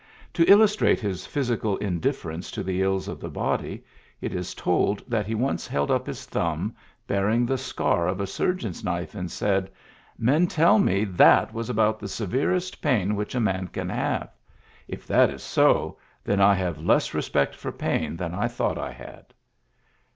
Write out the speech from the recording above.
To illustrate his physical indifference to the ills of the body, it is told that he once held up his thumb, bearing the scar of a surgeon's knife and said :" Men tell me that was about the severest pain which a man can have. If that is so, then I have less respect for pain than I thought I had.